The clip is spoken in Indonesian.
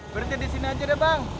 berantem di sini saja bang